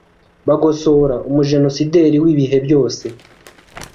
Bagosora, umujenosideri w’ibihe byose